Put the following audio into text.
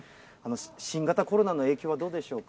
新型コロナの影響はどうでしょうか。